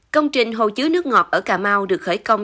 công trình hồ chứa nước ngọt ở cà mau được khởi công